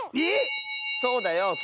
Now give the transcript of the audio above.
え⁉そうだよ。